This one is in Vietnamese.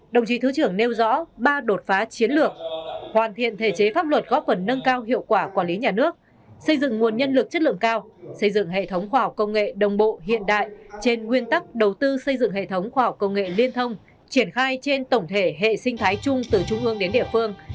đồng chí thứ trưởng nêu rõ ba đột phá chiến lược hoàn thiện thể chế pháp luật góp phần nâng cao hiệu quả quản lý nhà nước xây dựng nguồn nhân lực chất lượng cao xây dựng hệ thống khoa học công nghệ đồng bộ hiện đại trên nguyên tắc đầu tư xây dựng hệ thống khoa học công nghệ liên thông triển khai trên tổng thể hệ sinh thái chung từ trung ương đến địa phương